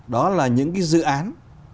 đó là những dự án